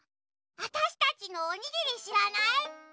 わたしたちのおにぎりしらない？